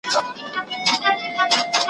ګیله من له خپل څښتنه له انسان سو `